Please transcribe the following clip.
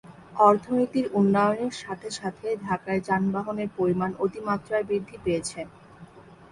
অর্থনীতির উন্নয়নের সাথে সাথে ঢাকায় যানবাহনের পরিমাণ অতি-মাত্রায় বৃদ্ধি পেয়েছে।